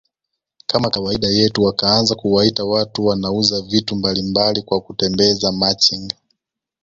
kama kawaida yetu wakaanza kuwaita watu wanauza vitu mbalimbali kwa kutembeza Machinga